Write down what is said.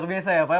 luar biasa ya pak